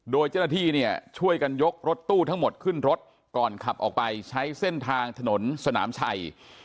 โดยเจ้าหน้าที่เนี่ยช่วยกันยกรถตู้ทั้งหมดขึ้นรถก่อนขับออกไปใช้เส้นทางถนนสนามชัย